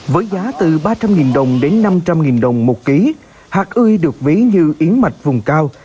với giá từ ba trăm linh đồng đến năm trăm linh đồng một ký hạt ươi được ví như yến mạch vùng cao